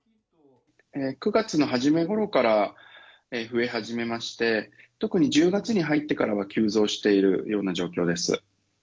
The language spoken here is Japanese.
９月の初めごろから増え始めまして、特に１０月に入ってからは急増しているような状況です。